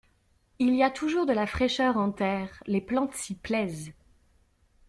Il y a toujours de la fraîcheur en terre, les plantes s’y plaisent.